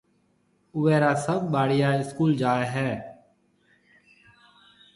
اوئيَ را سڀ ٻاݪيا اسڪول جائيَ ھيََََ